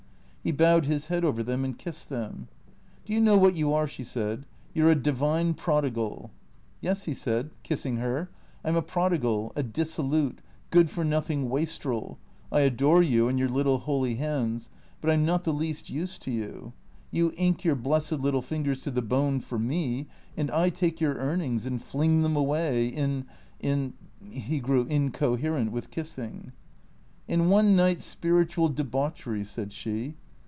He bowed his head over them and kissed them. " Do you know what you are ?" she said. " You 're a divine prodigal." " Yes," he said, kissing her, " I 'm a prodigal, a dissolute, good f or noting wastrel. I adore you and your little holy hands ; but I 'm not the least use to you. You ink your blessed little fingers to the bone for me, and I take your earnings and fling them away — in — in " He grew incoherent with kiss ing. " In one night's spiritual deljauchery," said she.